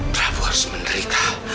prabu harus menderita